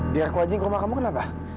biar aku aja yang ke rumah kamu kenapa